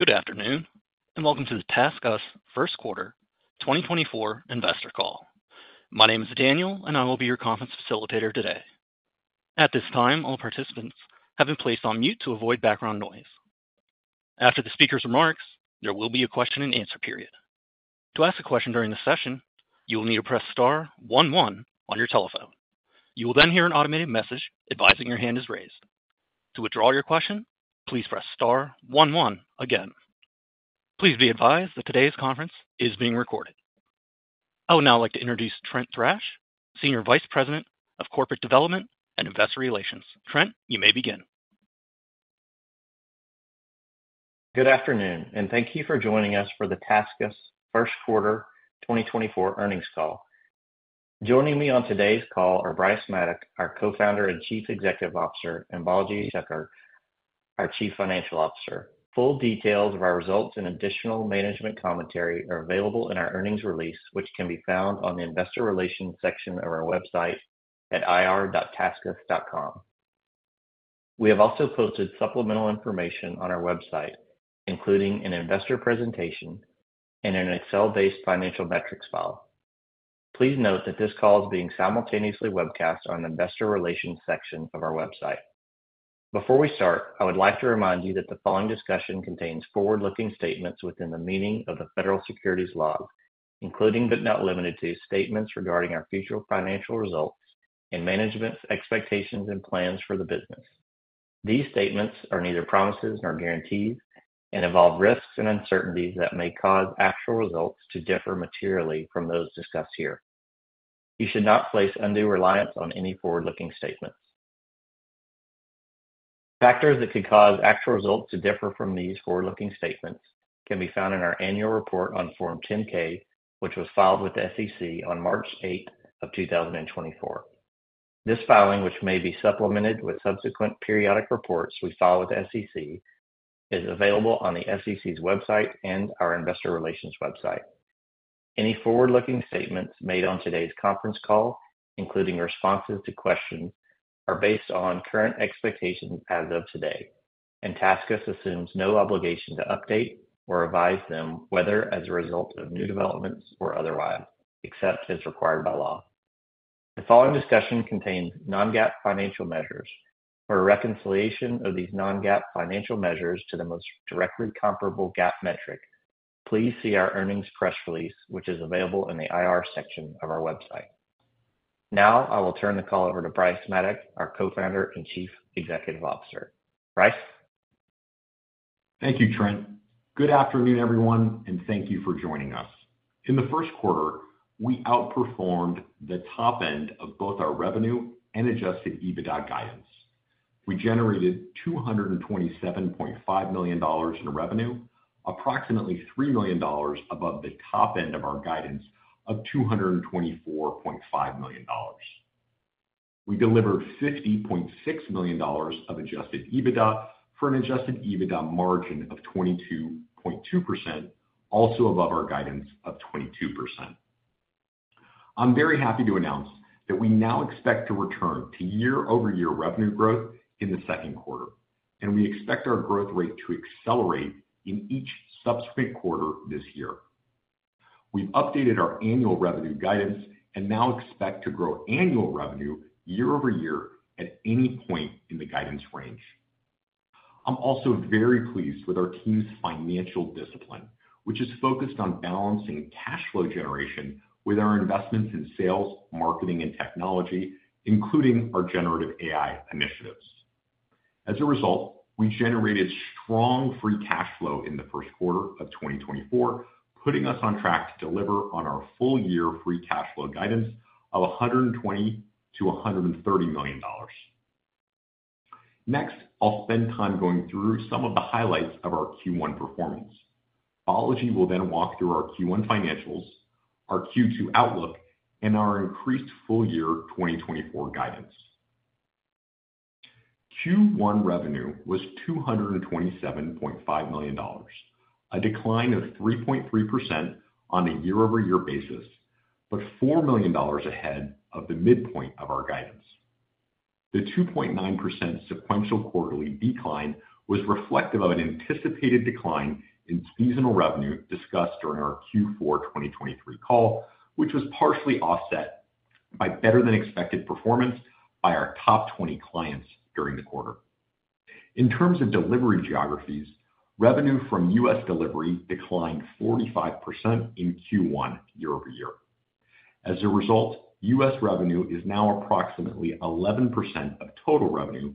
Good afternoon, and welcome to the TaskUs First Quarter 2024 Investor Call. My name is Daniel, and I will be your conference facilitator today. At this time, all participants have been placed on mute to avoid background noise. After the speaker's remarks, there will be a question and answer period. To ask a question during the session, you will need to press star one one on your telephone. You will then hear an automated message advising your hand is raised. To withdraw your question, please press star one one again. Please be advised that today's conference is being recorded. I would now like to introduce Trent Thrash, Senior Vice President of Corporate Development and Investor Relations. Trent, you may begin. Good afternoon, and thank you for joining us for the TaskUs first quarter 2024 earnings call. Joining me on today's call are Bryce Maddock, our Co-Founder and Chief Executive Officer, and Balaji Sekar, our Chief Financial Officer. Full details of our results and additional management commentary are available in our earnings release, which can be found on the investor relations section of our website at ir.taskus.com. We have also posted supplemental information on our website, including an investor presentation and an Excel-based financial metrics file. Please note that this call is being simultaneously webcast on the Investor Relations section of our website. Before we start, I would like to remind you that the following discussion contains forward-looking statements within the meaning of the federal securities law, including but not limited to statements regarding our future financial results and management's expectations and plans for the business. These statements are neither promises nor guarantees, and involve risks and uncertainties that may cause actual results to differ materially from those discussed here. You should not place undue reliance on any forward-looking statements. Factors that could cause actual results to differ from these forward-looking statements can be found in our annual report on Form 10-K, which was filed with the SEC on March 8, 2024. This filing, which may be supplemented with subsequent periodic reports we file with the SEC, is available on the SEC's website and our investor relations website. Any forward-looking statements made on today's conference call, including responses to questions, are based on current expectations as of today, and TaskUs assumes no obligation to update or revise them, whether as a result of new developments or otherwise, except as required by law. The following discussion contains non-GAAP financial measures. For a reconciliation of these non-GAAP financial measures to the most directly comparable GAAP metric, please see our earnings press release, which is available in the IR section of our website. Now, I will turn the call over to Bryce Maddock, our Co-founder and Chief Executive Officer. Bryce? Thank you, Trent. Good afternoon, everyone, and thank you for joining us. In the first quarter, we outperformed the top end of both our revenue and adjusted EBITDA guidance. We generated $227.5 million in revenue, approximately $3 million above the top end of our guidance of $224.5 million. We delivered $50.6 million of adjusted EBITDA for an adjusted EBITDA margin of 22.2%, also above our guidance of 22%. I'm very happy to announce that we now expect to return to year-over-year revenue growth in the second quarter, and we expect our growth rate to accelerate in each subsequent quarter this year. We've updated our annual revenue guidance and now expect to grow annual revenue year over year at any point in the guidance range. I'm also very pleased with our team's financial discipline, which is focused on balancing cash flow generation with our investments in sales, marketing, and technology, including our Generative AI initiatives. As a result, we generated strong free cash flow in the first quarter of 2024, putting us on track to deliver on our full year free cash flow guidance of $120 million-$130 million. Next, I'll spend time going through some of the highlights of our Q1 performance. Balaji will then walk through our Q1 financials, our Q2 outlook, and our increased full year 2024 guidance. Q1 revenue was $227.5 million, a decline of 3.3% on a year-over-year basis, but $4 million ahead of the midpoint of our guidance. The 2.9% sequential quarterly decline was reflective of an anticipated decline in seasonal revenue discussed during our Q4 2023 call, which was partially offset by better-than-expected performance by our top 20 clients during the quarter. In terms of delivery geographies, revenue from U.S. delivery declined 45% in Q1 year-over-year. As a result, U.S. revenue is now approximately 11% of total revenue,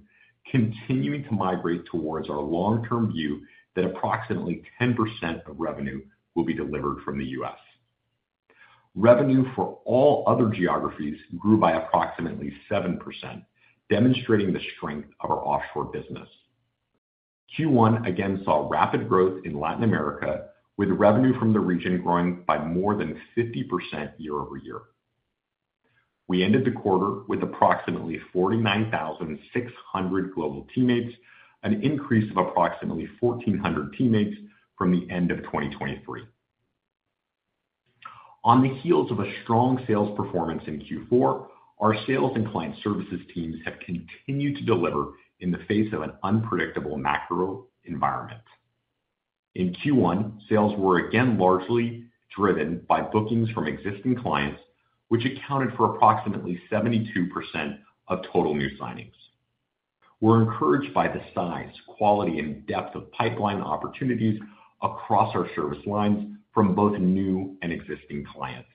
continuing to migrate towards our long-term view that approximately 10% of revenue will be delivered from the U.S.. Revenue for all other geographies grew by approximately 7%, demonstrating the strength of our offshore business. Q1 again saw rapid growth in Latin America, with revenue from the region growing by more than 50% year-over-year. We ended the quarter with approximately 49,600 global teammates, an increase of approximately 1,400 teammates from the end of 2023. On the heels of a strong sales performance in Q4, our sales and client services teams have continued to deliver in the face of an unpredictable macro environment. In Q1, sales were again largely driven by bookings from existing clients, which accounted for approximately 72% of total new signings. We're encouraged by the size, quality, and depth of pipeline opportunities across our service lines from both new and existing clients.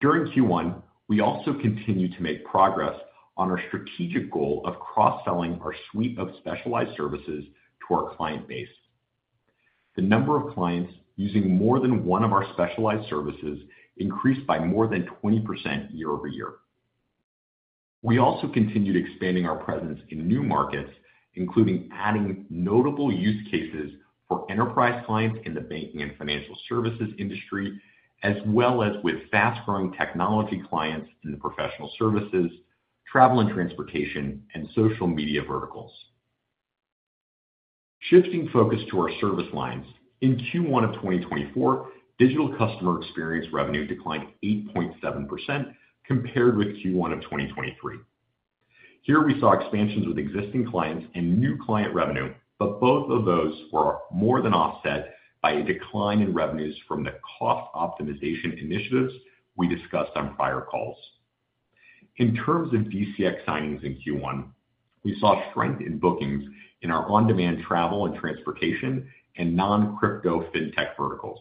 During Q1, we also continued to make progress on our strategic goal of cross-selling our suite of specialized services to our client base. The number of clients using more than one of our specialized services increased by more than 20% year-over-year. We also continued expanding our presence in new markets, including adding notable use cases for enterprise clients in the banking and financial services industry, as well as with fast-growing technology clients in the professional services, travel and transportation, and social media verticals. Shifting focus to our service lines, in Q1 of 2024, Digital Customer Experience revenue declined 8.7% compared with Q1 of 2023. Here, we saw expansions with existing clients and new client revenue, but both of those were more than offset by a decline in revenues from the cost optimization initiatives we discussed on prior calls. In terms of DCX signings in Q1, we saw strength in bookings in our on-demand travel and transportation and non-crypto fintech verticals.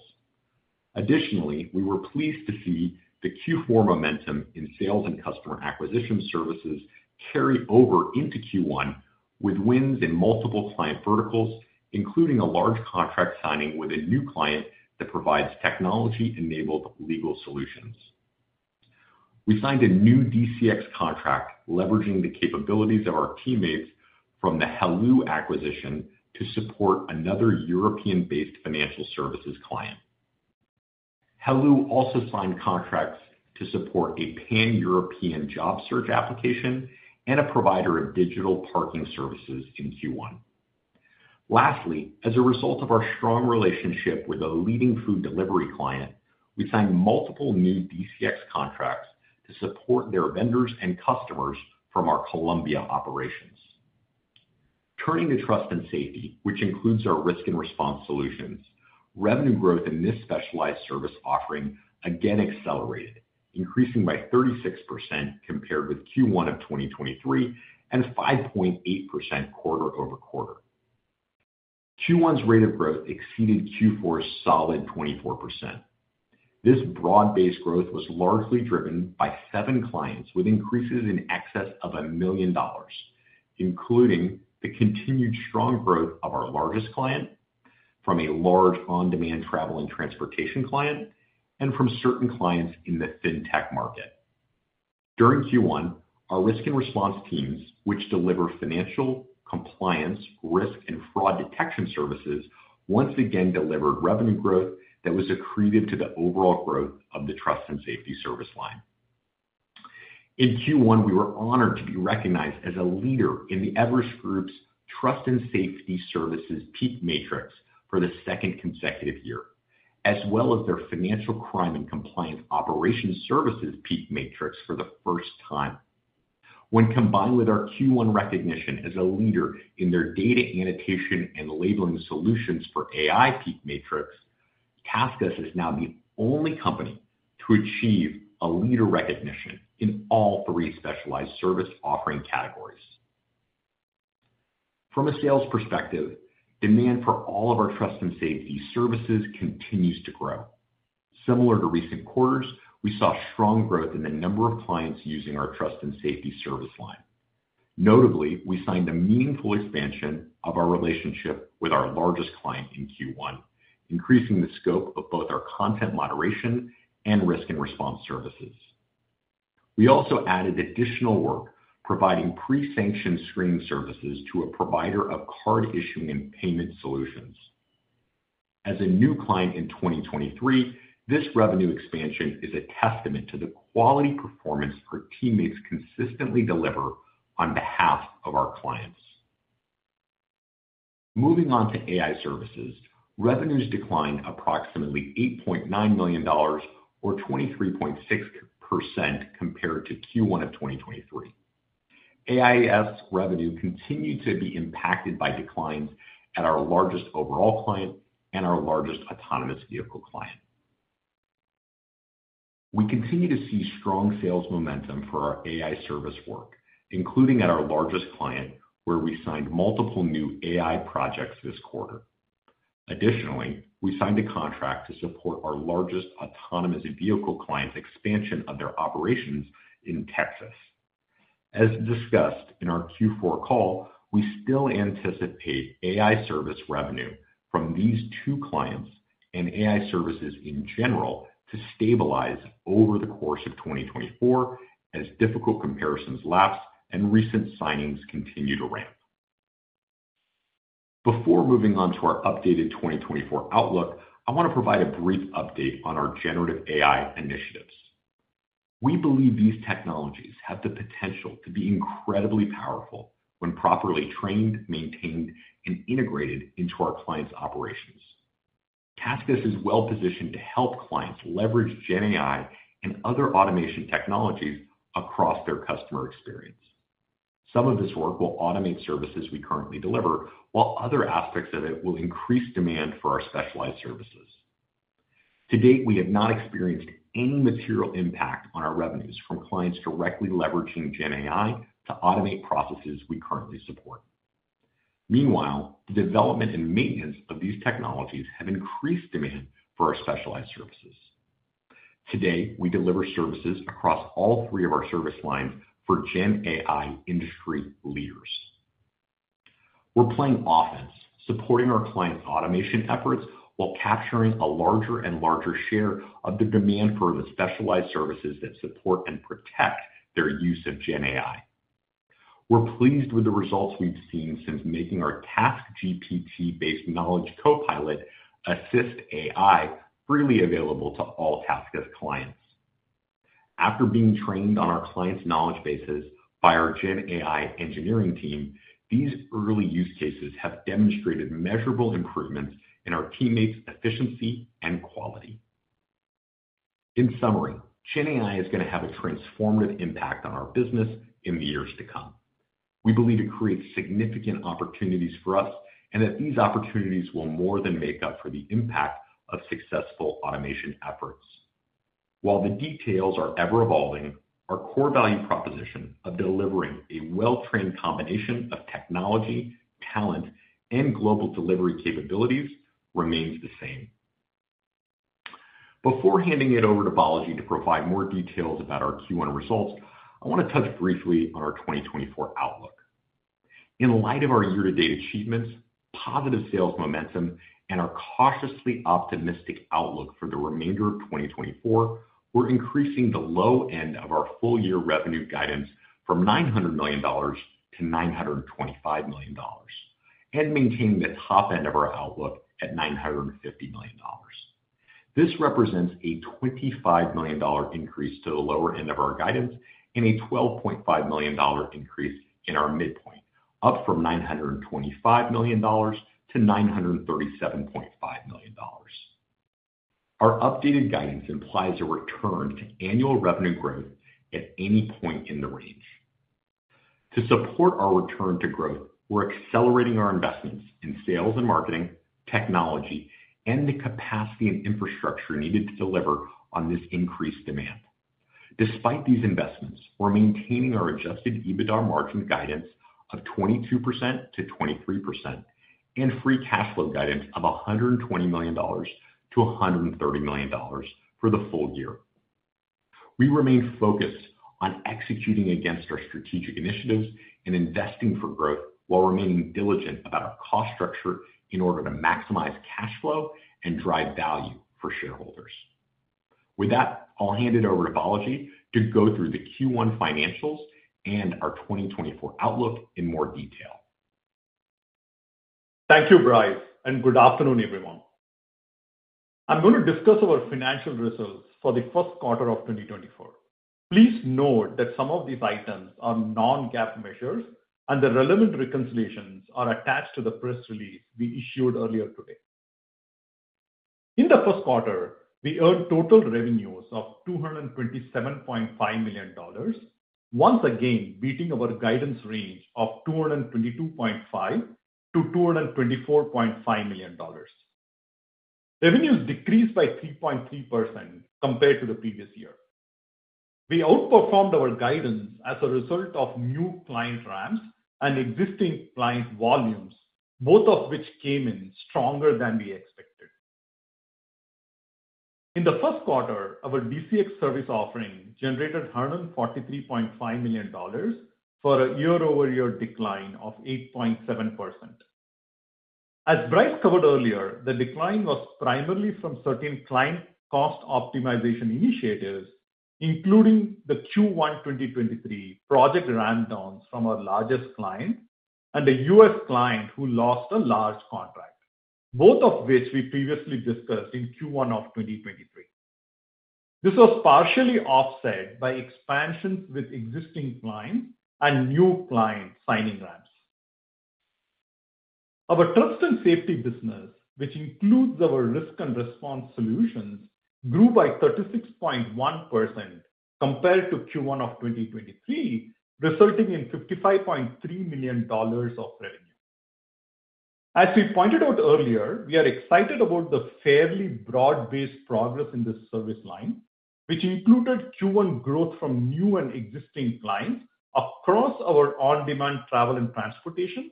Additionally, we were pleased to see the Q4 momentum in sales and customer acquisition services carry over into Q1, with wins in multiple client verticals, including a large contract signing with a new client that provides technology-enabled legal solutions. We signed a new DCX contract leveraging the capabilities of our teammates from the Heloo acquisition to support another European-based financial services client. Heloo also signed contracts to support a Pan-European job search application and a provider of digital parking services in Q1. Lastly, as a result of our strong relationship with a leading food delivery client, we signed multiple new DCX contracts to support their vendors and customers from our Colombia operations. Turning to Trust & Safety, which includes our Risk + Response solutions, revenue growth in this specialized service offering again accelerated, increasing by 36% compared with Q1 of 2023, and 5.8% quarter-over-quarter. Q1's rate of growth exceeded Q4's solid 24%. This broad-based growth was largely driven by seven clients, with increases in excess of $1 million, including the continued strong growth of our largest client from a large on-demand travel and transportation client and from certain clients in the fintech market. During Q1, our Risk + Response teams, which deliver financial, compliance, risk, and fraud detection services, once again delivered revenue growth that was accretive to the overall growth of the Trust & Safety service line. In Q1, we were honored to be recognized as a leader in the Everest Group's Trust & Safety Services PEAK Matrix for the second consecutive year, as well as their Financial Crime and Compliance Operations Services PEAK Matrix for the first time. When combined with our Q1 recognition as a leader in their Data Annotation and Labeling Solutions for AI PEAK Matrix, TaskUs is now the only company to achieve a leader recognition in all three specialized service offering categories. From a sales perspective, demand for all of our Trust & Safety services continues to grow. Similar to recent quarters, we saw strong growth in the number of clients using our Trust & Safety service line. Notably, we signed a meaningful expansion of our relationship with our largest client in Q1, increasing the scope of both our content moderation and Risk + Response services. We also added additional work providing pre-sanction screening services to a provider of card issuing and payment solutions. As a new client in 2023, this revenue expansion is a testament to the quality performance our teammates consistently deliver on behalf of our clients. Moving on to AI Services, revenues declined approximately $8.9 million, or 23.6% compared to Q1 of 2023. AIS revenue continued to be impacted by declines at our largest overall client and our largest autonomous vehicle client. We continue to see strong sales momentum for our AI service work, including at our largest client, where we signed multiple new AI projects this quarter. Additionally, we signed a contract to support our largest autonomous vehicle client's expansion of their operations in Texas. As discussed in our Q4 call, we still anticipate AI Service revenue from these two clients and AI Services in general to stabilize over the course of 2024 as difficult comparisons lapse and recent signings continue to ramp. Before moving on to our updated 2024 outlook, I want to provide a brief update on our generative AI initiatives... We believe these technologies have the potential to be incredibly powerful when properly trained, maintained, and integrated into our clients' operations. TaskUs is well-positioned to help clients leverage GenAI and other automation technologies across their customer experience. Some of this work will automate services we currently deliver, while other aspects of it will increase demand for our specialized services. To date, we have not experienced any material impact on our revenues from clients directly leveraging GenAI to automate processes we currently support. Meanwhile, the development and maintenance of these technologies have increased demand for our specialized services. Today, we deliver services across all three of our service lines for GenAI industry leaders. We're playing offense, supporting our clients' automation efforts while capturing a larger and larger share of the demand for the specialized services that support and protect their use of GenAI. We're pleased with the results we've seen since making our TaskGPT-based knowledge co-pilot AssistAI freely available to all TaskUs clients. After being trained on our clients' knowledge bases by our GenAI engineering team, these early use cases have demonstrated measurable improvements in our teammates' efficiency and quality. In summary, GenAI is gonna have a transformative impact on our business in the years to come. We believe it creates significant opportunities for us, and that these opportunities will more than make up for the impact of successful automation efforts. While the details are ever-evolving, our core value proposition of delivering a well-trained combination of technology, talent, and global delivery capabilities remains the same. Before handing it over to Balaji to provide more details about our Q1 results, I wanna touch briefly on our 2024 outlook. In light of our year-to-date achievements, positive sales momentum, and our cautiously optimistic outlook for the remainder of 2024, we're increasing the low end of our full year revenue guidance from $900 million-$925 million, and maintaining the top end of our outlook at $950 million. This represents a $25 million increase to the lower end of our guidance and a $12.5 million increase in our midpoint, up from $925 million-$937.5 million. Our updated guidance implies a return to annual revenue growth at any point in the range. To support our return to growth, we're accelerating our investments in sales and marketing, technology, and the capacity and infrastructure needed to deliver on this increased demand. Despite these investments, we're maintaining our adjusted EBITDA margin guidance of 22%-23%, and free cash flow guidance of $120 million-$130 million for the full year. We remain focused on executing against our strategic initiatives and investing for growth while remaining diligent about our cost structure in order to maximize cash flow and drive value for shareholders. With that, I'll hand it over to Balaji to go through the Q1 financials and our 2024 outlook in more detail. Thank you, Bryce, and good afternoon, everyone. I'm going to discuss our financial results for the first quarter of 2024. Please note that some of these items are non-GAAP measures, and the relevant reconciliations are attached to the press release we issued earlier today. In the first quarter, we earned total revenues of $227.5 million, once again beating our guidance range of $222.5 million-$224.5 million. Revenues decreased by 3.3% compared to the previous year. We outperformed our guidance as a result of new client ramps and existing client volumes, both of which came in stronger than we expected. In the first quarter, our DCX service offering generated $143.5 million, for a year-over-year decline of 8.7%. As Bryce covered earlier, the decline was primarily from certain client cost optimization initiatives, including the Q1 2023 project ramp downs from our largest client and a U.S. client who lost a large contract, both of which we previously discussed in Q1 of 2023. This was partially offset by expansions with existing clients and new clients signing ramps. Our Trust & Safety business, which includes our Risk + Response solutions, grew by 36.1% compared to Q1 of 2023, resulting in $55.3 million of revenue. As we pointed out earlier, we are excited about the fairly broad-based progress in this service line, which included Q1 growth from new and existing clients across our on-demand travel and transportation,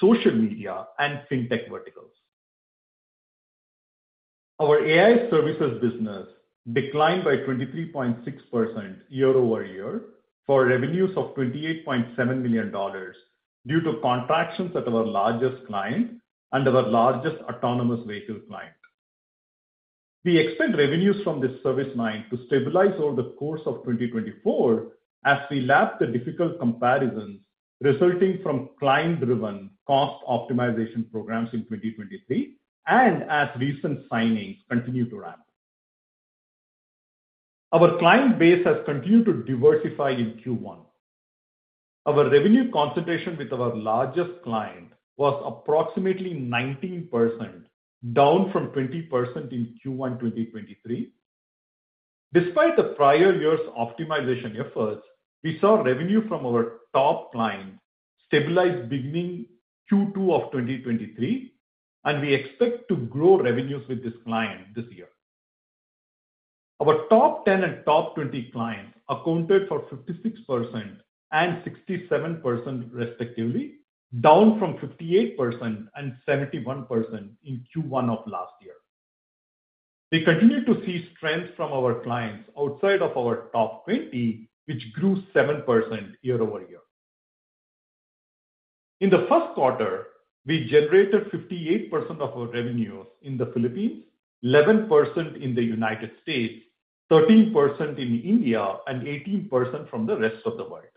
social media, and fintech verticals. Our AI Services business declined by 23.6% year-over-year for revenues of $28.7 million due to contractions at our largest client and our largest autonomous vehicle client. We expect revenues from this service line to stabilize over the course of 2024 as we lap the difficult comparisons resulting from client-driven cost optimization programs in 2023, and as recent signings continue to ramp. Our client base has continued to diversify in Q1. Our revenue concentration with our largest client was approximately 19%, down from 20% in Q1 2023. Despite the prior year's optimization efforts, we saw revenue from our top client stabilize beginning Q2 of 2023, and we expect to grow revenues with this client this year. Our top ten and top 20 clients accounted for 56% and 67%, respectively, down from 58% and 71% in Q1 of last year. We continue to see strength from our clients outside of our top 20, which grew 7% year over year. In the first quarter, we generated 58% of our revenues in the Philippines, 11% in the United States, 13% in India, and 18% from the rest of the world.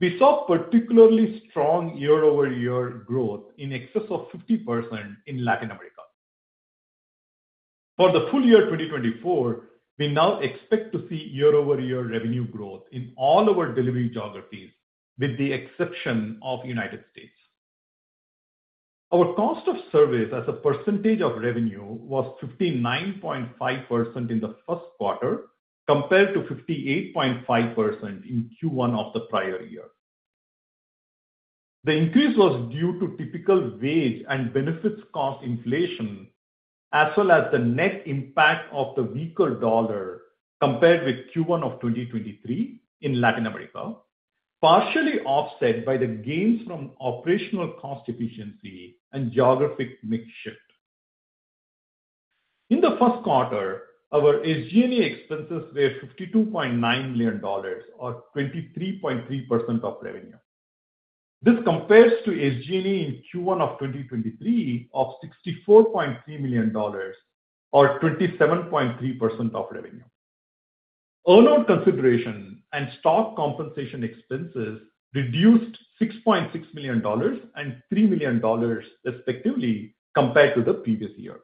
We saw particularly strong year-over-year growth in excess of 50% in Latin America. For the full year 2024, we now expect to see year-over-year revenue growth in all our delivery geographies, with the exception of United States. Our cost of service as a percentage of revenue was 59.5% in the first quarter, compared to 58.5% in Q1 of the prior year. The increase was due to typical wage and benefits cost inflation, as well as the net impact of the weaker dollar compared with Q1 of 2023 in Latin America, partially offset by the gains from operational cost efficiency and geographic mix shift. In the first quarter, our SG&A expenses were $52.9 million or 23.3% of revenue. This compares to SG&A in Q1 of 2023 of $64.3 million or 27.3% of revenue. Earnout consideration and stock compensation expenses reduced $6.6 million and $3 million, respectively, compared to the previous year.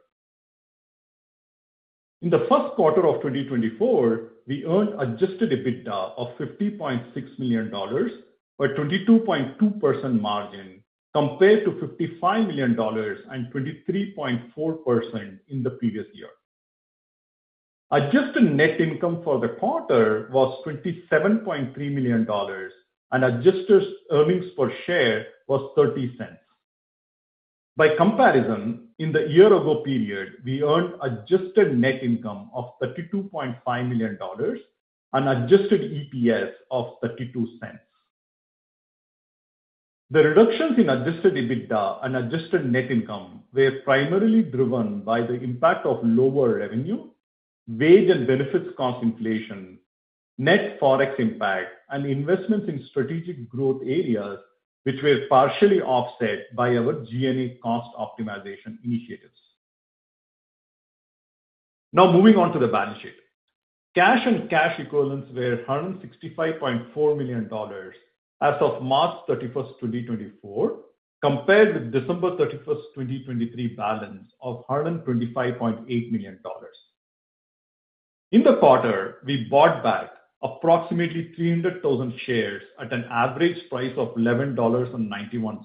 In the first quarter of 2024, we earned Adjusted EBITDA of $50.6 million or 22.2% margin, compared to $55 million and 23.4% in the previous year. Adjusted net income for the quarter was $27.3 million, and adjusted earnings per share was $0.30. By comparison, in the year-ago period, we earned adjusted net income of $32.5 million and adjusted EPS of $0.32. The reductions in adjusted EBITDA and adjusted net income were primarily driven by the impact of lower revenue, wage and benefits cost inflation, net Forex impact, and investments in strategic growth areas, which were partially offset by our G&A cost optimization initiatives. Now moving on to the balance sheet. Cash and cash equivalents were $165.4 million as of March 31, 2024, compared with December 31, 2023, balance of $125.8 million. In the quarter, we bought back approximately 300,000 shares at an average price of $11.91.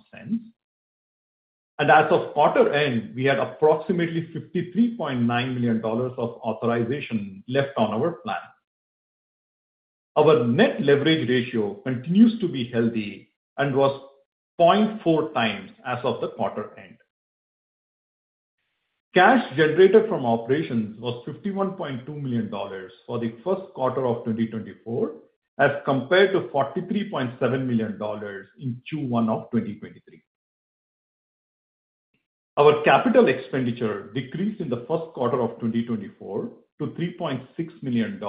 As of quarter end, we had approximately $53.9 million of authorization left on our plan. Our net leverage ratio continues to be healthy and was 0.4x as of the quarter end. Cash generated from operations was $51.2 million for the first quarter of 2024, as compared to $43.7 million in Q1 of 2023. Our capital expenditure decreased in the first quarter of 2024 to $3.6 million,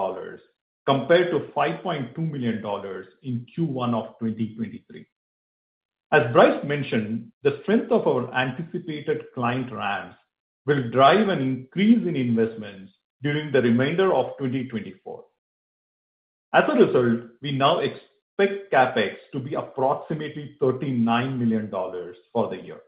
compared to $5.2 million in Q1 of 2023. As Bryce mentioned, the strength of our anticipated client ramps will drive an increase in investments during the remainder of 2024. As a result, we now expect CapEx to be approximately $39 million for the year.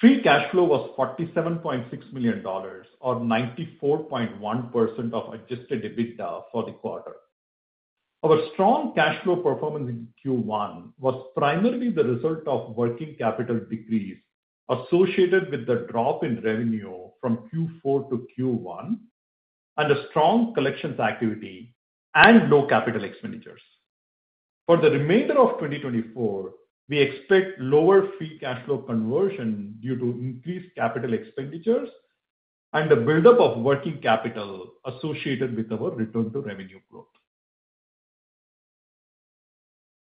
Free cash flow was $47.6 million or 94.1% of adjusted EBITDA for the quarter. Our strong cash flow performance in Q1 was primarily the result of working capital decrease associated with the drop in revenue from Q4 to Q1, and a strong collections activity and low capital expenditures. For the remainder of 2024, we expect lower free cash flow conversion due to increased capital expenditures and the buildup of working capital associated with our return to revenue growth.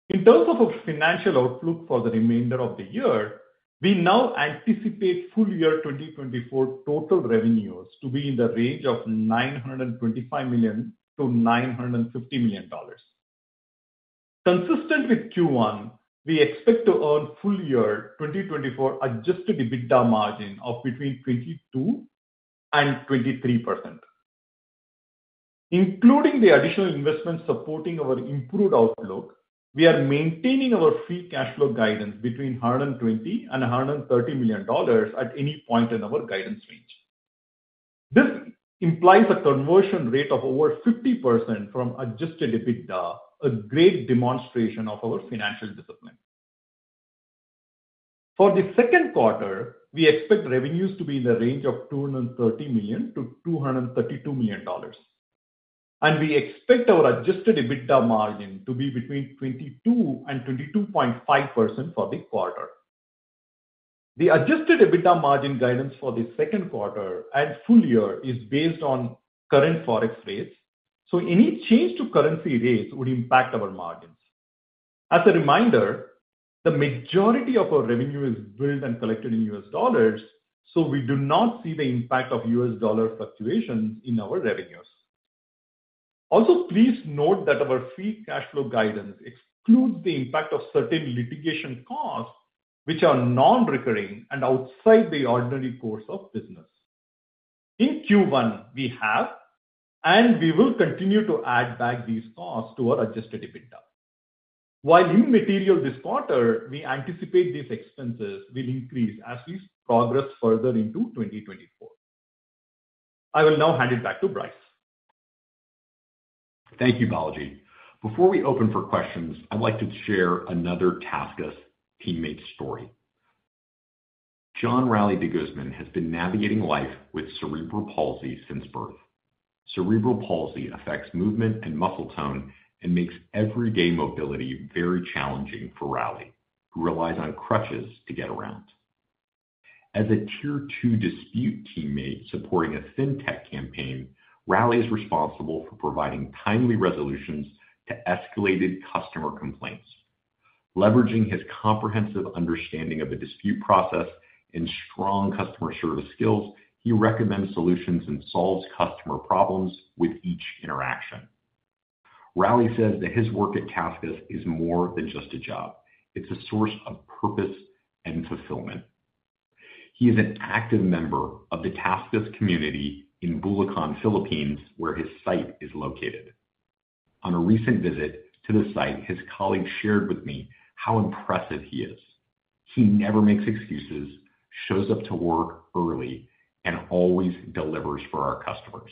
In terms of our financial outlook for the remainder of the year, we now anticipate full year 2024 total revenues to be in the range of $925 million-$950 million. Consistent with Q1, we expect to earn full year 2024 adjusted EBITDA margin of between 22%-23%. Including the additional investment supporting our improved outlook, we are maintaining our free cash flow guidance between $120 million and $130 million at any point in our guidance range. This implies a conversion rate of over 50% from Adjusted EBITDA, a great demonstration of our financial discipline. For the second quarter, we expect revenues to be in the range of $230 million-$232 million, and we expect our Adjusted EBITDA margin to be between 22% and 22.5% for the quarter. The Adjusted EBITDA margin guidance for the second quarter and full year is based on current Forex rates, so any change to currency rates would impact our margins. As a reminder, the majority of our revenue is billed and collected in U.S. dollars, so we do not see the impact of U.S. dollar fluctuations in our revenues. Also, please note that our free cash flow guidance excludes the impact of certain litigation costs, which are non-recurring and outside the ordinary course of business. In Q1, we have, and we will continue to add back these costs to our adjusted EBITDA. While immaterial this quarter, we anticipate these expenses will increase as we progress further into 2024. I will now hand it back to Bryce. Thank you, Balaji. Before we open for questions, I'd like to share another TaskUs teammate story. John Rally De Guzman has been navigating life with cerebral palsy since birth. Cerebral palsy affects movement and muscle tone and makes everyday mobility very challenging for Rally, who relies on crutches to get around. As a Tier 2 dispute teammate supporting a fintech campaign, Rally is responsible for providing timely resolutions to escalated customer complaints. Leveraging his comprehensive understanding of the dispute process and strong customer service skills, he recommends solutions and solves customer problems with each interaction. Rally says that his work at TaskUs is more than just a job; it's a source of purpose and fulfillment. He is an active member of the TaskUs community in Bulacan, Philippines, where his site is located. On a recent visit to the site, his colleagues shared with me how impressive he is. He never makes excuses, shows up to work early, and always delivers for our customers.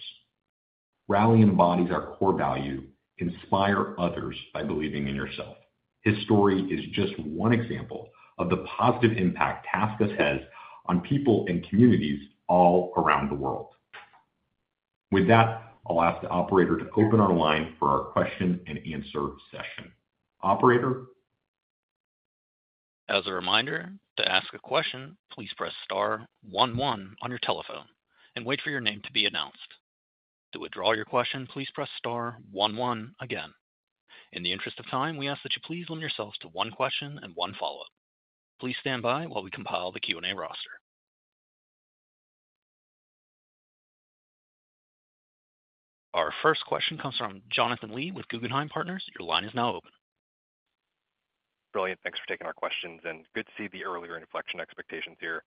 Rally embodies our core value: inspire others by believing in yourself. His story is just one example of the positive impact TaskUs has on people and communities all around the world. With that, I'll ask the operator to open our line for our question and answer session. Operator? As a reminder, to ask a question, please press star one one on your telephone and wait for your name to be announced. To withdraw your question, please press star one one again. In the interest of time, we ask that you please limit yourselves to one question and one follow-up. Please stand by while we compile the Q&A roster. Our first question comes from Jonathan Lee with Guggenheim Partners. Your line is now open. Brilliant. Thanks for taking our questions, and good to see the earlier inflection expectations here.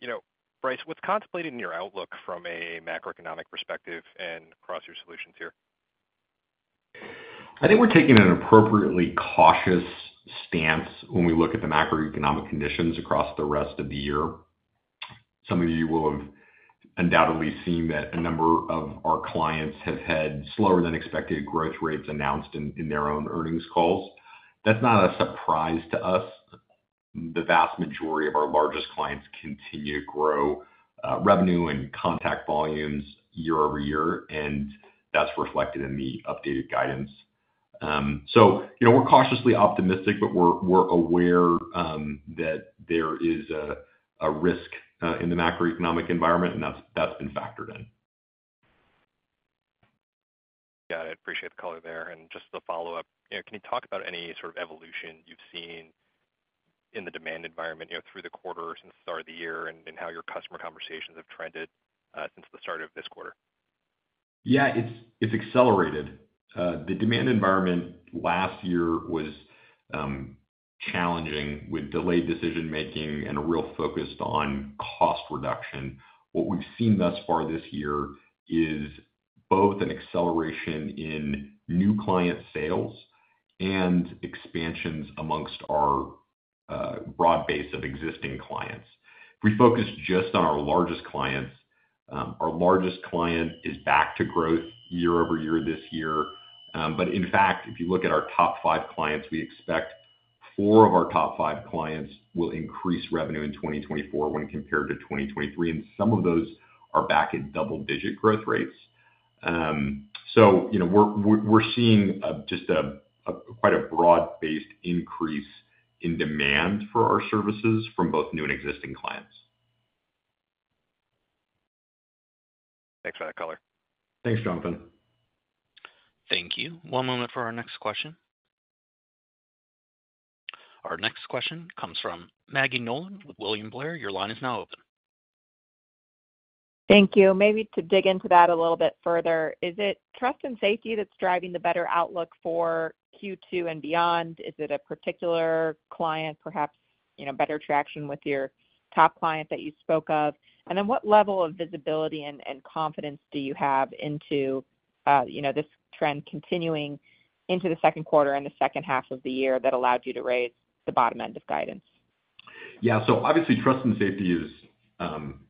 You know, Bryce, what's contemplated in your outlook from a macroeconomic perspective and across your solutions here? I think we're taking an appropriately cautious stance when we look at the macroeconomic conditions across the rest of the year. Some of you will have undoubtedly seen that a number of our clients have had slower than expected growth rates announced in their own earnings calls. That's not a surprise to us. The vast majority of our largest clients continue to grow revenue and contact volumes year over year, and that's reflected in the updated guidance. So you know, we're cautiously optimistic, but we're aware that there is a risk in the macroeconomic environment, and that's been factored in. Got it. Appreciate the color there. And just to follow up, you know, can you talk about any sort of evolution you've seen in the demand environment, you know, through the quarter since the start of the year, and how your customer conversations have trended, since the start of this quarter? Yeah, it's, it's accelerated. The demand environment last year was challenging, with delayed decision-making and a real focus on cost reduction. What we've seen thus far this year is both an acceleration in new client sales and expansions amongst our broad base of existing clients. If we focus just on our largest clients, our largest client is back to growth year over year this year. But in fact, if you look at our top five clients, we expect four of our top five clients will increase revenue in 2024 when compared to 2023, and some of those are back at double-digit growth rates. So you know, we're, we're, we're seeing a, just a, a quite a broad-based increase in demand for our services from both new and existing clients. Thanks for that color. Thanks, Jonathan. Thank you. One moment for our next question. Our next question comes from Maggie Nolan with William Blair. Your line is now open. Thank you. Maybe to dig into that a little bit further, is it Trust & Safety that's driving the better outlook for Q2 and beyond? Is it a particular client, perhaps?... you know, better traction with your top client that you spoke of? And then what level of visibility and confidence do you have into, you know, this trend continuing into the second quarter and the second half of the year that allowed you to raise the bottom end of guidance? Yeah. So obviously, Trust & Safety is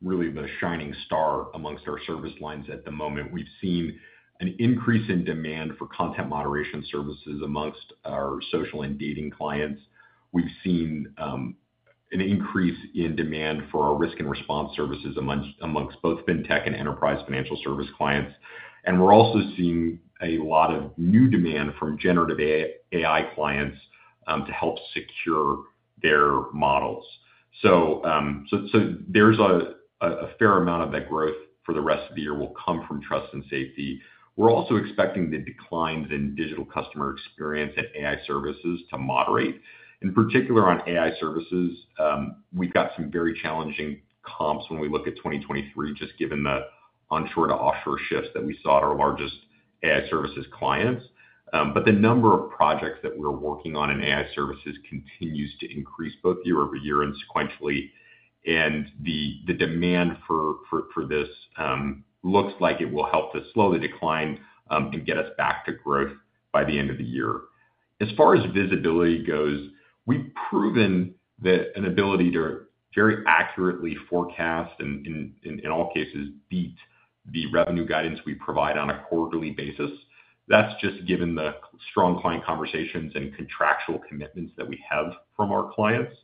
really the shining star among our service lines at the moment. We've seen an increase in demand for content moderation services among our social and dating clients. We've seen an increase in demand for our Risk + Response services among both fintech and enterprise financial service clients. And we're also seeing a lot of new demand from Generative AI, AI clients to help secure their models. So there's a fair amount of that growth for the rest of the year will come from Trust & Safety. We're also expecting the declines in Digital Customer Experience and AI Services to moderate. In particular, on AI Services, we've got some very challenging comps when we look at 2023, just given the onshore to offshore shifts that we saw at our largest AI Services clients. But the number of projects that we're working on in AI Services continues to increase both year-over-year and sequentially. And the demand for this looks like it will help to slowly decline, and get us back to growth by the end of the year. As far as visibility goes, we've proven that an ability to very accurately forecast and in all cases beat the revenue guidance we provide on a quarterly basis. That's just given the strong client conversations and contractual commitments that we have from our clients.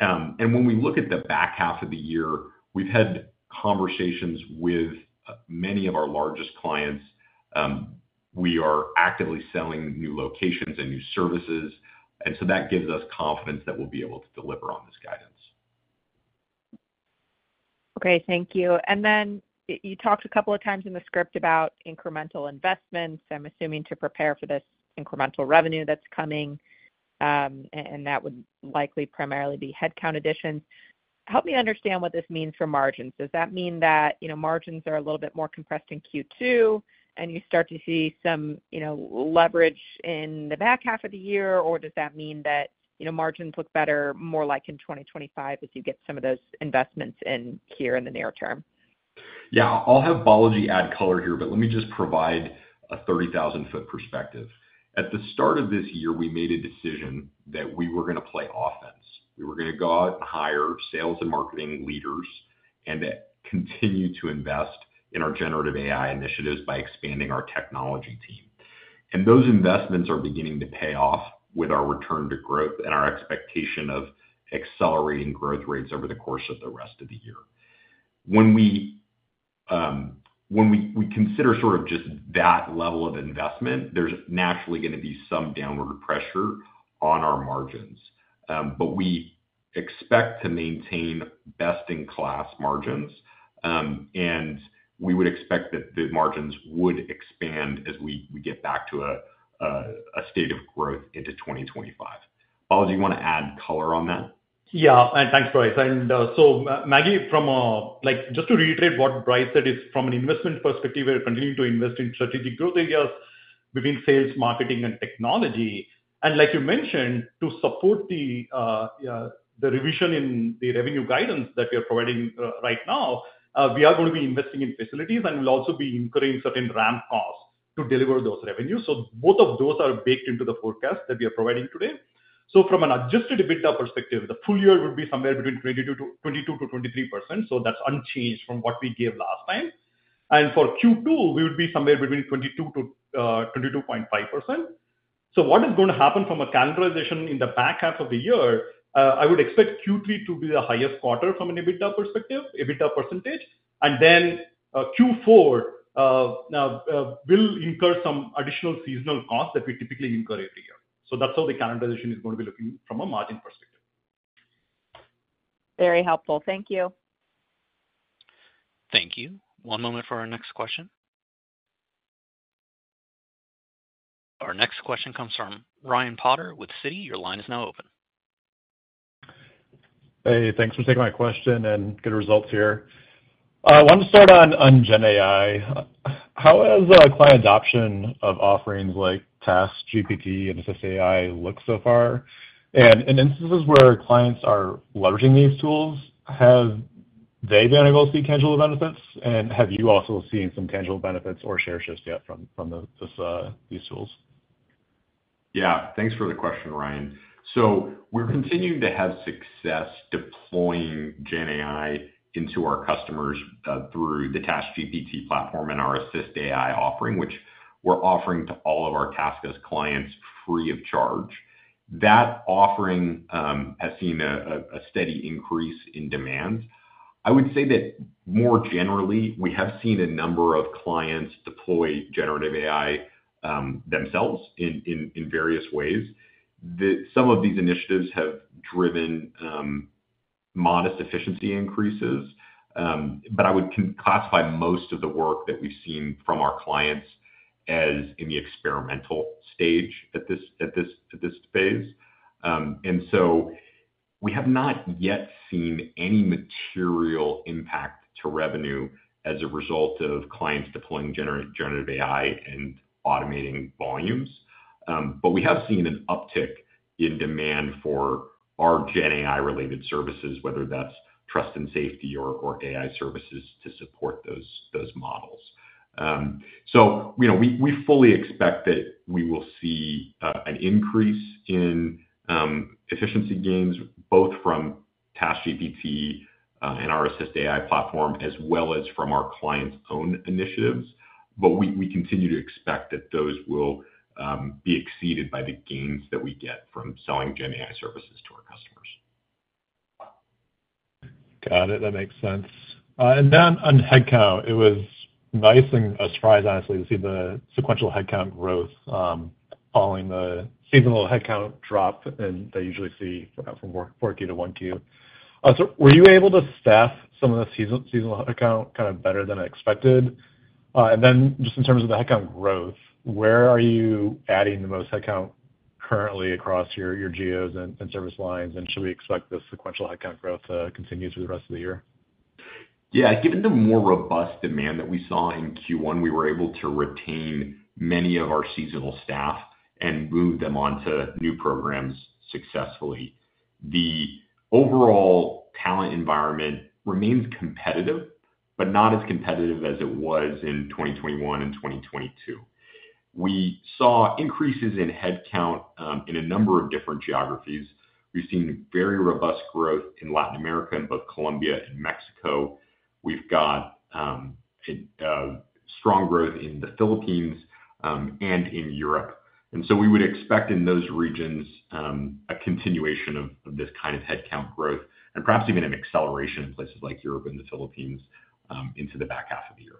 And when we look at the back half of the year, we've had conversations with many of our largest clients. We are actively selling new locations and new services, and so that gives us confidence that we'll be able to deliver on this guidance. Okay, thank you. And then you talked a couple of times in the script about incremental investments, I'm assuming to prepare for this incremental revenue that's coming, and that would likely primarily be headcount additions. Help me understand what this means for margins. Does that mean that, you know, margins are a little bit more compressed in Q2, and you start to see some, you know, leverage in the back half of the year? Or does that mean that, you know, margins look better, more like in 2025, as you get some of those investments in here in the near term? Yeah. I'll have Balaji add color here, but let me just provide a 30,000-foot perspective. At the start of this year, we made a decision that we were gonna play offense. We were gonna go out and hire sales and marketing leaders, and continue to invest in our generative AI initiatives by expanding our technology team. And those investments are beginning to pay off with our return to growth and our expectation of accelerating growth rates over the course of the rest of the year. When we consider sort of just that level of investment, there's naturally gonna be some downward pressure on our margins. But we expect to maintain best-in-class margins, and we would expect that the margins would expand as we get back to a state of growth into 2025. Balaji, you wanna add color on that? Yeah, and thanks, Bryce. And, so Maggie, from a like, just to reiterate what Bryce said, is from an investment perspective, we're continuing to invest in strategic growth areas within sales, marketing, and technology. And like you mentioned, to support the, the revision in the revenue guidance that we are providing, right now, we are going to be investing in facilities, and we'll also be incurring certain ramp costs to deliver those revenues. So both of those are baked into the forecast that we are providing today. So from an Adjusted EBITDA perspective, the full year would be somewhere between 22%-23%, so that's unchanged from what we gave last time. And for Q2, we would be somewhere between 22%-22.5%. So what is going to happen from a calendarization in the back half of the year, I would expect Q3 to be the highest quarter from an EBITDA perspective, EBITDA percentage, and then, Q4, now, will incur some additional seasonal costs that we typically incur every year. So that's how the calendarization is going to be looking from a margin perspective. Very helpful. Thank you. Thank you. One moment for our next question. Our next question comes from Ryan Potter with Citi. Your line is now open. Hey, thanks for taking my question and good results here. Wanted to start on GenAI. How has client adoption of offerings like TaskGPT and AssistAI looked so far? And in instances where clients are leveraging these tools, have they been able to see tangible benefits? And have you also seen some tangible benefits or share shifts yet from these tools? Yeah. Thanks for the question, Ryan. So we're continuing to have success deploying GenAI into our customers through the TaskGPT platform and our AssistAI offering, which we're offering to all of our TaskUs clients free of charge. That offering has seen a steady increase in demand. I would say that more generally, we have seen a number of clients deploy generative AI themselves in various ways. Some of these initiatives have driven modest efficiency increases, but I would classify most of the work that we've seen from our clients as in the experimental stage at this phase. And so we have not yet seen any material impact to revenue as a result of clients deploying generative AI and automating volumes. But we have seen an uptick in demand for our GenAI-related services, whether that's Trust & Safety or, or AI Services to support those, those models. So, you know, we, we fully expect that we will see an increase in efficiency gains, both from TaskGPT and our AssistAI platform, as well as from our clients' own initiatives. But we, we continue to expect that those will be exceeded by the gains that we get from selling GenAI Services to our customers. Got it. That makes sense. And then on headcount, it was nice and a surprise, honestly, to see the sequential headcount growth, following the seasonal headcount drop, and they usually see from 4Q to 1Q. So were you able to staff some of the seasonal headcount kind of better than expected? And then just in terms of the headcount growth, where are you adding the most headcount currently across your geos and service lines? And should we expect the sequential headcount growth continue through the rest of the year? Yeah, given the more robust demand that we saw in Q1, we were able to retain many of our seasonal staff and move them on to new programs successfully. The overall talent environment remains competitive, but not as competitive as it was in 2021 and 2022. We saw increases in headcount in a number of different geographies. We've seen very robust growth in Latin America, in both Colombia and Mexico. We've got strong growth in the Philippines and in Europe. So we would expect in those regions a continuation of this kind of headcount growth and perhaps even an acceleration in places like Europe and the Philippines into the back half of the year.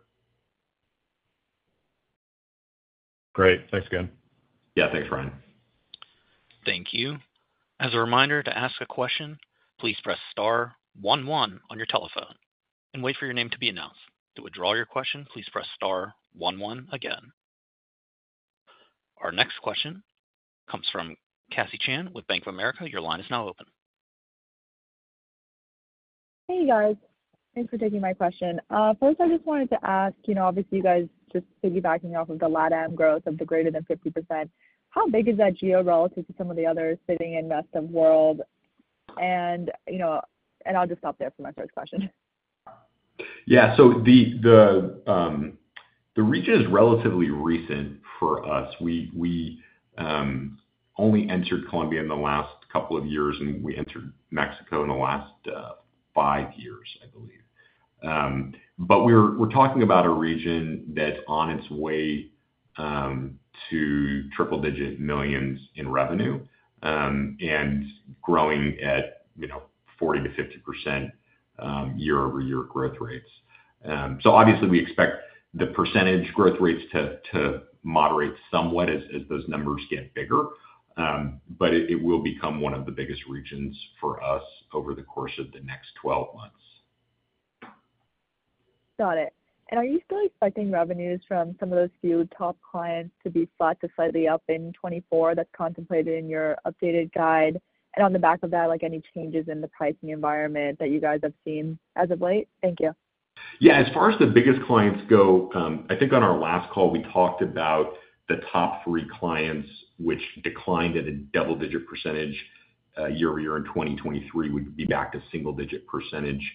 Great. Thanks again. Yeah, thanks, Ryan. Thank you. As a reminder, to ask a question, please press star one one on your telephone and wait for your name to be announced. To withdraw your question, please press star one one again. Our next question comes from Cassie Chan with Bank of America. Your line is now open. Hey, guys. Thanks for taking my question. First, I just wanted to ask, you know, obviously you guys just piggybacking off of the LatAm growth of the greater than 50%, how big is that geo relative to some of the others fitting in rest of world? And, you know, and I'll just stop there for my first question. Yeah, so the region is relatively recent for us. We only entered Colombia in the last couple of years, and we entered Mexico in the last five years, I believe. But we're talking about a region that's on its way to triple-digit millions in revenue, and growing at, you know, 40%-50% year-over-year growth rates. So obviously, we expect the percentage growth rates to moderate somewhat as those numbers get bigger, but it will become one of the biggest regions for us over the course of the next 12 months. Got it. Are you still expecting revenues from some of those few top clients to be flat to slightly up in 2024, that's contemplated in your updated guide? On the back of that, like, any changes in the pricing environment that you guys have seen as of late? Thank you. Yeah, as far as the biggest clients go, I think on our last call, we talked about the top three clients, which declined at a double-digit percentage year-over-year in 2023, would be back to single-digit percentage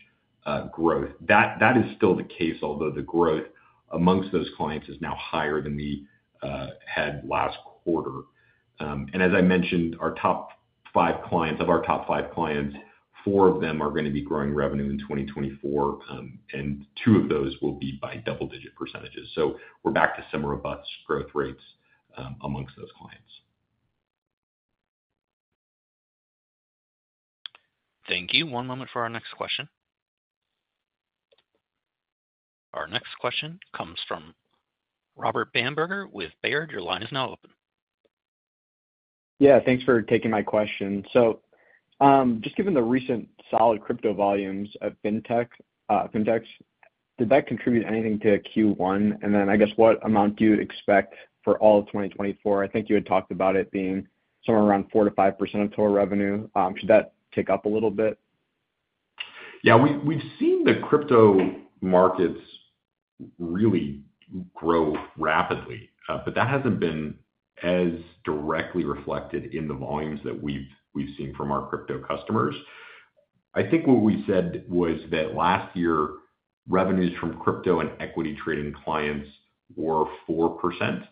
growth. That, that is still the case, although the growth among those clients is now higher than we had last quarter. And as I mentioned, our top five clients, of our top five clients, four of them are going to be growing revenue in 2024, and two of those will be by double-digit percentages. So we're back to some robust growth rates among those clients. Thank you. One moment for our next question. Our next question comes from Robert Bamberger with Baird. Your line is now open. Yeah, thanks for taking my question. So, just given the recent solid crypto volumes of fintech, fintechs, did that contribute anything to Q1? And then, I guess, what amount do you expect for all of 2024? I think you had talked about it being somewhere around 4%-5% of total revenue. Should that tick up a little bit? Yeah, we've seen the crypto markets really grow rapidly, but that hasn't been as directly reflected in the volumes that we've seen from our crypto customers. I think what we said was that last year, revenues from crypto and equity trading clients were 4%.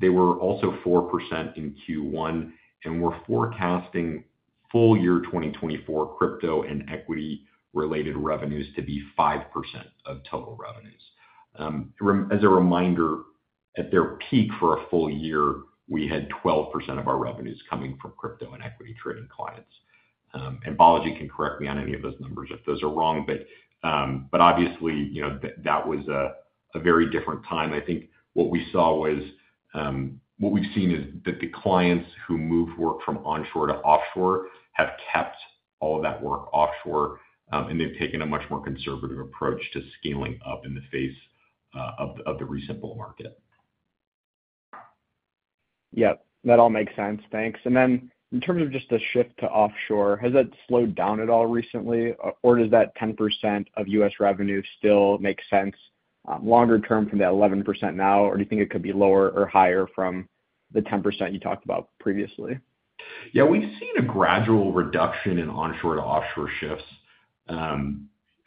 They were also 4% in Q1, and we're forecasting full year 2024 crypto and equity-related revenues to be 5% of total revenues. As a reminder, at their peak for a full year, we had 12% of our revenues coming from crypto and equity trading clients. And Balaji can correct me on any of those numbers if those are wrong, but obviously, you know, that was a very different time. I think what we saw was, what we've seen is that the clients who moved work from onshore to offshore have kept all of that work offshore, and they've taken a much more conservative approach to scaling up in the face of the recent bull market. Yep, that all makes sense. Thanks. And then in terms of just the shift to offshore, has that slowed down at all recently, or does that 10% of U.S. revenue still make sense?... longer term from that 11% now, or do you think it could be lower or higher from the 10% you talked about previously? Yeah, we've seen a gradual reduction in onshore to offshore shifts.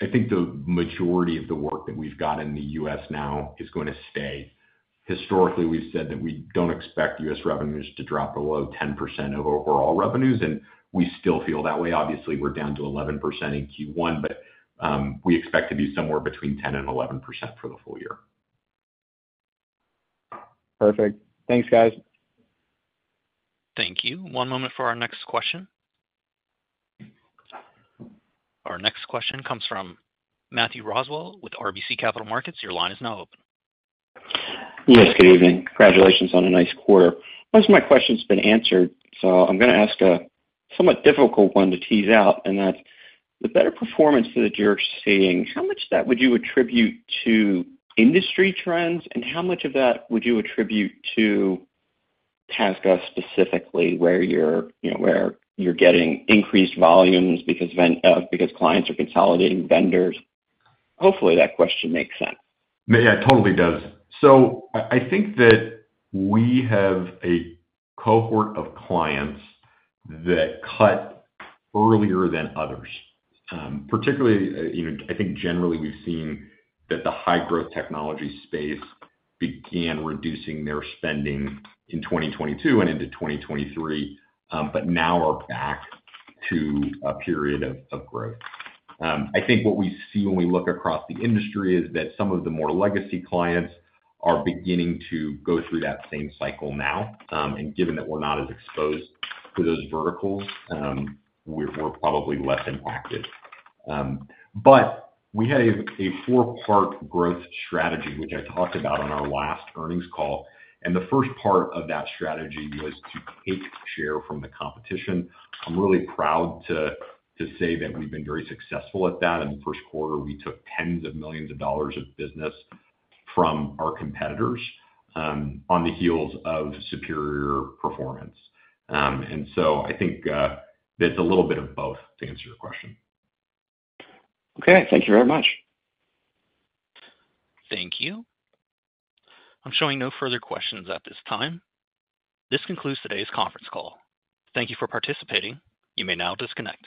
I think the majority of the work that we've got in the U.S. now is going to stay. Historically, we've said that we don't expect U.S. revenues to drop below 10% of overall revenues, and we still feel that way. Obviously, we're down to 11% in Q1, but, we expect to be somewhere between 10% and 11% for the full year. Perfect. Thanks, guys. Thank you. One moment for our next question. Our next question comes from Matthew Roswell with RBC Capital Markets. Your line is now open. Yes, good evening. Congratulations on a nice quarter. Most of my question's been answered, so I'm gonna ask a somewhat difficult one to tease out, and that's the better performance that you're seeing, how much of that would you attribute to industry trends, and how much of that would you attribute to TaskUs specifically, where you're, you know, where you're getting increased volumes because clients are consolidating vendors? Hopefully, that question makes sense. Yeah, it totally does. So I think that we have a cohort of clients that cut earlier than others. Particularly, you know, I think generally we've seen that the high growth technology space began reducing their spending in 2022 and into 2023, but now are back to a period of growth. I think what we see when we look across the industry is that some of the more legacy clients are beginning to go through that same cycle now. And given that we're not as exposed to those verticals, we're probably less impacted. But we had a four-part growth strategy, which I talked about on our last earnings call, and the first part of that strategy was to take share from the competition. I'm really proud to say that we've been very successful at that. In the first quarter, we took tens of millions of dollars of business from our competitors, on the heels of superior performance. And so I think, it's a little bit of both, to answer your question. Okay, thank you very much. Thank you. I'm showing no further questions at this time. This concludes today's conference call. Thank you for participating. You may now disconnect.